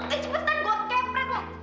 ih cepetan gue keprat lo